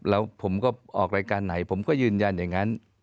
แล้วผมก็ออกรายการไหนผมก็ยืนยันอย่างนั้น